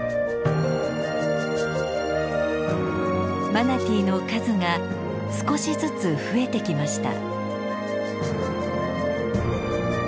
マナティーの数が少しずつ増えてきました。